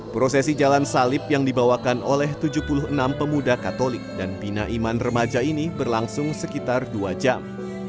prosesi jalan salib yang dibawakan oleh tujuh puluh enam pemuda katolik dan bina iman remaja ini berlangsung sekitar dua jam